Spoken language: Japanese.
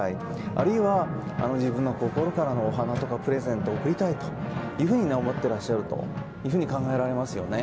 あるいは自分の心からのお花とかプレゼントを贈りたいと思ってらっしゃると考えられますよね。